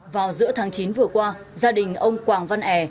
vào giữa tháng chín vừa qua gia đình ông quảng văn e